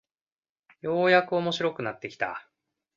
ようやく面白くなってきた